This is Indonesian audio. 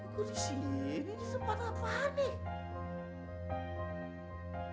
gue disini disempat apaan nih